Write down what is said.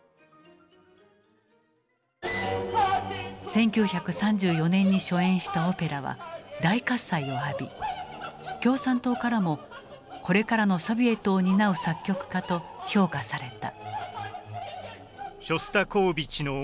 １９３４年に初演したオペラは大喝采を浴び共産党からもこれからのソビエトを担う作曲家と評価された。